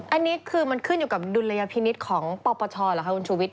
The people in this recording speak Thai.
อันนี้คือมันขึ้นอยู่กับดุลยพินิษฐ์ของปปชเหรอคะคุณชูวิท